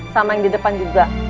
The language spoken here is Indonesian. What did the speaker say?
sama yang di depan juga